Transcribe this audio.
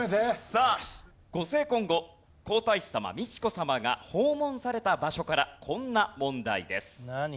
さあご成婚後皇太子さま美智子さまが訪問された場所からこんな問題です。